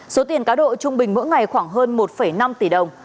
số tiền cá độ trung bình mỗi ngày khoảng hơn một năm tỷ đồng